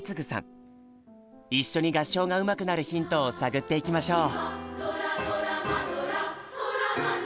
一緒に合唱がうまくなるヒントを探っていきましょう！